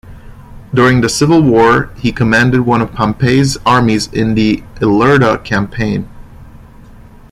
During the civil war he commanded one of Pompey's armies in the Ilerda campaign.